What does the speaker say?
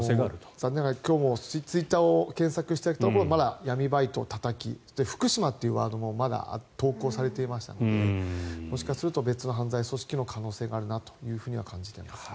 残念ながら今日もツイッターを検索したところまだ闇バイト、たたき福島というワードもまだ投稿されていましたのでもしかしたら別の犯罪組織の可能性があるなと感じていますね。